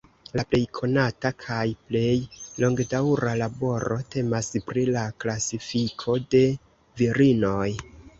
La plej konata kaj plej longdaŭra laboro temas pri la klasifiko de virinoj.